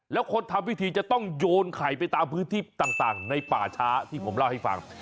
แล้วคนทำพิธีจะต้องโยนไข่ไปตามพื้นที่ต่างในป่าช้าที่ผมเล่าให้ฟัง